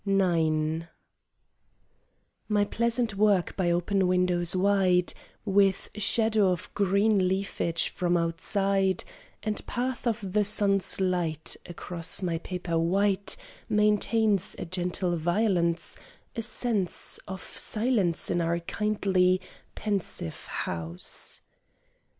IX My pleasant work by open windows wide, With shadow of green leafage from out side And path of the sun's light Across my paper white, Maintains a gentle violence, A sense Of silence in our kindly, pensive house.